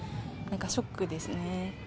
なんかショックですね。